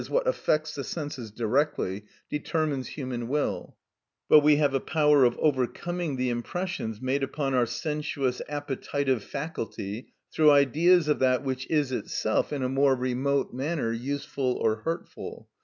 _, what affects the senses directly, determines human will, but we have a power of overcoming the impressions made upon our sensuous appetitive faculty through ideas of that which is itself in a more remote manner useful or hurtful.